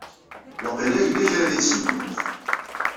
Waqila yella kra di tsenduqt.